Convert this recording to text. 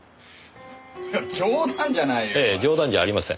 いや冗談じゃないよ。